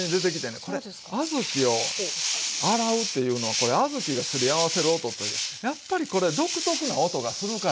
これ小豆を洗うっていうのはこれ小豆がすり合わせる音というやっぱりこれ独特な音がするからね。